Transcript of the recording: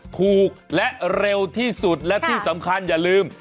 ถูกและเร็วที่สุดและที่สำคัญอย่าลืม